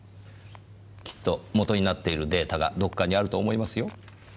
きっと元になっているデータがどこかにあると思いますよ。